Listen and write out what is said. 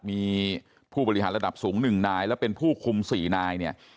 มีผู้บริหารระดับสูง๑นายและเป็นผู้คุม๔นายเนี่ย